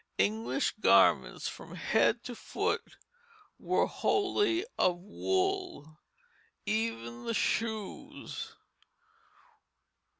English garments from head to foot were wholly of wool, even the shoes.